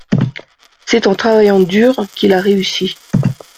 C’est en travaillant dur qu’il a réussi.